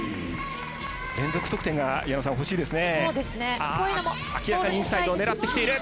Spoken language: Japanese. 連続得点が欲しいですね。